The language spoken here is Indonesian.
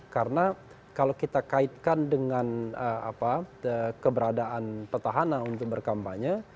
karena kalau kita kaitkan dengan keberadaan petahanan untuk berkampanye